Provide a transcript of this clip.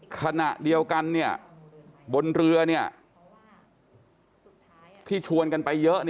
ขณะเดียวกันบนเรือที่ชวนกันไปเยอะ